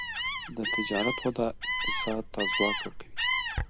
د تجارت وده اقتصاد ته ځواک ورکوي.